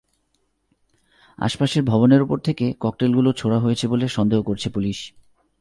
আশপাশের ভবনের ওপর থেকে ককটেলগুলো ছোড়া হয়েছে বলে সন্দেহ করছে পুলিশ।